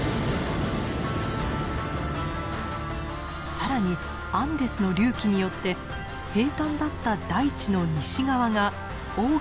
更にアンデスの隆起によって平たんだった大地の西側が大きく傾斜。